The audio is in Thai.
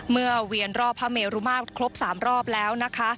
เวียนรอบพระเมรุมาตรครบ๓รอบแล้วนะคะ